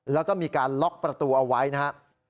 แล้วก็มีการล็อกประตูเอาไว้นะครับ